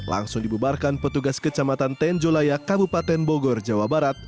langsung dibubarkan petugas kecamatan tenjolaya kabupaten bogor jawa barat